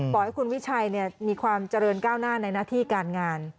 ขอให้คุณวิชัยมีความเจริญก้าวหน้าในหน้าที่การงาน